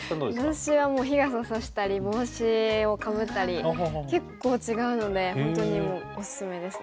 私はもう日傘差したり帽子をかぶったり結構違うので本当におすすめですね。